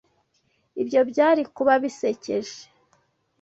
Ibyo byari kuba bisekeje.